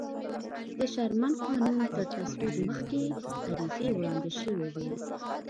د شرمن قانون تر تصویب مخکې عریضې وړاندې شوې وې.